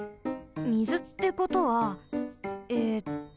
みずってことはえっと